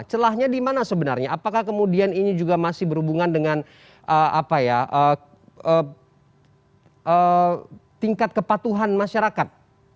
celahnya di mana sebenarnya apakah kemudian ini juga masih berhubungan dengan tingkat kepatuhan masyarakat